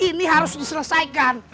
ini harus diselesaikan